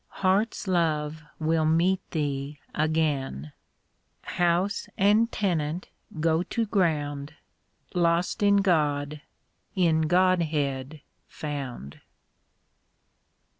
Hearts love will meet thee again, ••••• House and tenant go to ground. Lost in God, in Godhead found.